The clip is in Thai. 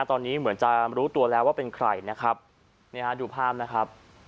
ตอนนี้เหมือนจะรู้ตัวแล้วว่าเป็นใครนะครับเนี่ยฮะดูภาพนะครับ